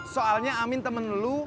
soalnya amin temen lu